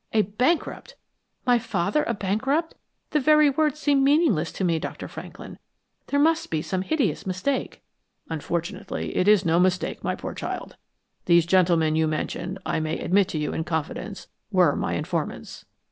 A bankrupt! My father a bankrupt? The very words seem meaningless to me. Dr. Franklin, there must be some hideous mistake." "Unfortunately, it is no mistake, my poor child. These gentlemen you mention, I may admit to you in confidence, were my informants."